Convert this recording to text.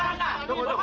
pokoknya kita ajar rangga